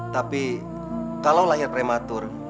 tapi kalau lahir prematur